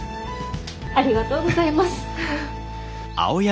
ありがとうございます。